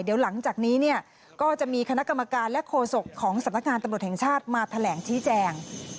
เดี๋ยวหลังจากนี้เนี่ยก็จะมีคณะกรรมการและโฆษกของสำนักงานตำรวจแห่งชาติมาแถลงชี้แจง